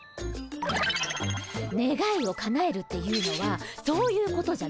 あねがいをかなえるっていうのはそういうことじゃないんです。